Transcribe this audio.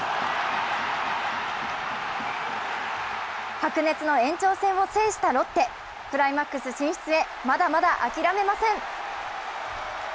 白熱の延長戦を制したロッテ、クライマックス進出へまだまだ諦めません。